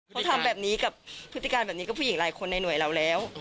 เขาทำแบบนี้กับพฤติการแบบนี้กับผู้หญิงหลายคนในหน่วยเราแล้ว